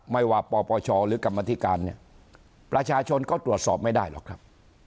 ไม่ว่าปปชหรือกรรมธิการเนี่ยประชาชนก็ตรวจสอบไม่ได้หรอกครับ